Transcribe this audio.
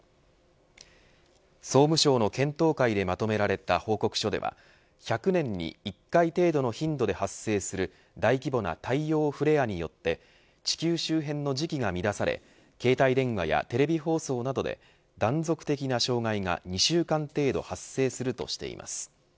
総務省の検討会でまとめられた報告書では１００年に１回程度の頻度で発生する大規模な太陽フレアによって地球周辺の磁気が乱され携帯電話やテレビ放送などで断続的な障害が２週間程度発生するとしています。